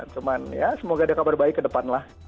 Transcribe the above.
cuman ya semoga ada kabar baik ke depan lah